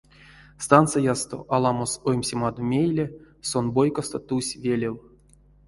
Станциясто, аламос оймсемадо мейле, сон бойкасто тусь велев.